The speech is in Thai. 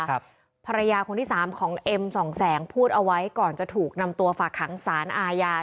ภรรยาคนที่สามของเอ็มสองแสงพูดเอาไว้ก่อนจะถูกนำตัวฝากขังสารอาญา